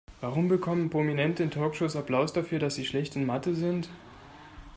Warum bekommen Prominente in Talkshows Applaus dafür, dass sie schlecht in Mathe sind?